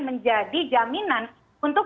menjadi jaminan untuk